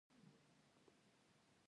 سوچونو سره مخامخ شي -